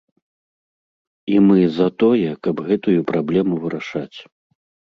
І мы за тое, каб гэтую праблему вырашаць.